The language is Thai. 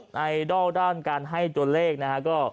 ในดอลด้านการให้ตัวเลขนะฮะ